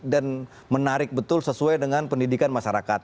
dan menarik betul sesuai dengan pendidikan masyarakat